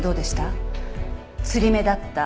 「吊り目だった」